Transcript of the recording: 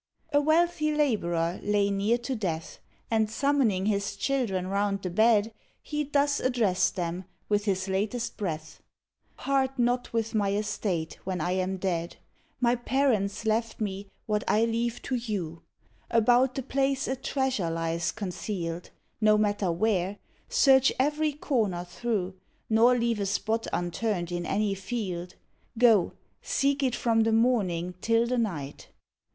A wealthy Labourer lay near to death; And, summoning his children round the bed, He thus addressed them, with his latest breath: "Part not with my estate when I am dead. My parents left me what I leave to you. About the place a treasure lies concealed, No matter where, search every corner through, Nor leave a spot unturned in any field. Go, seek it from the morning till the night."